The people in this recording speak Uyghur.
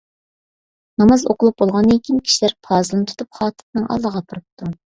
ناماز ئوقۇلۇپ بولغاندىن كېيىن، كىشىلەر پازىلنى تۇتۇپ خاتىپنىڭ ئالدىغا ئاپىرىپتۇ.